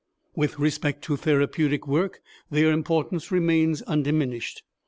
With respect to therapeutic work their importance remains undiminished.